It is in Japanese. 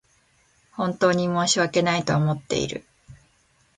本当に申し訳ないと思っている